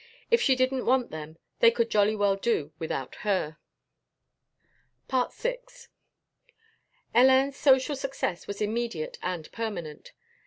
If she didn't want them they could jolly well do without her. VI Hélène's social success was immediate and permanent.